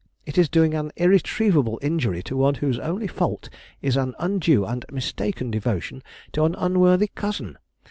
It is doing an irretrievable injury to one whose only fault is an undue and mistaken devotion to an unworthy cousin.